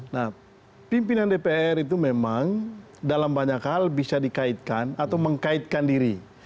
nah pimpinan dpr itu memang dalam banyak hal bisa dikaitkan atau mengkaitkan diri